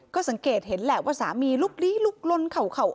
ก็สังเกตเห็นสารมีลุกลีลุกลนเข่า